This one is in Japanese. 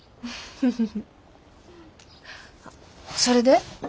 それで？